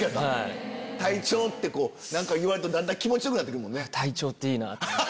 「隊長」って何か言われるとだんだん気持ち良くなってくるもんね。